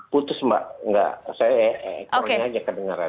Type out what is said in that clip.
putus mbak nggak saya ekornya aja kebenaran